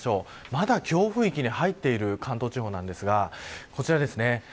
まだ強風域に入っている関東地方なんですがこちらですね。